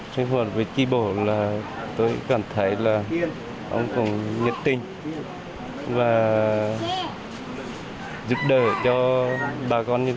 sinh hoạt về tri bộ là tôi cảm thấy là ông cũng nhiệt tình và giúp đỡ cho bà con nhân dân